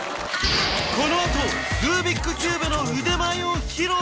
このあとルービックキューブの腕前を披露！